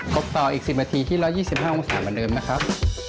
บต่ออีก๑๐นาทีที่๑๒๕องศาเหมือนเดิมนะครับ